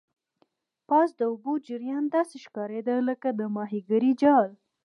پاس د اوبو جریان داسې ښکاریدل لکه د ماهیګرۍ جال.